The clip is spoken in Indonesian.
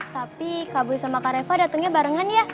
tapi kak boy sama kak reva datengnya barengan ya